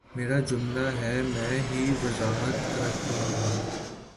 میرا جملہ ہے میں ہی وضاحت کر دوں گا